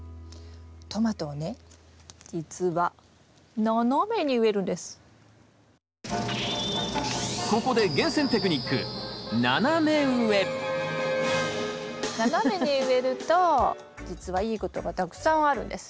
トマトをね実はここで斜めに植えると実はいいことがたくさんあるんです。